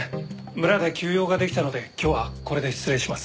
村で急用ができたので今日はこれで失礼します。